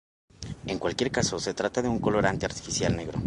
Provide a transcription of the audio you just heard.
En cualquier caso se trata de un colorante artificial negro.